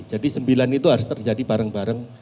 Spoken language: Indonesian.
jadi sembilan itu harus terjadi bareng bareng